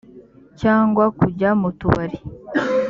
cyangwa kujya mu tubari